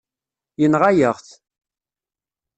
Yenɣa-yaɣ-t.